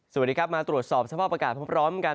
สวัสดีครับมาตรวจสอบสภาพอากาศพร้อมกัน